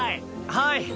はい！